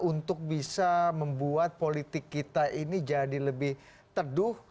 untuk bisa membuat politik kita ini jadi lebih teduh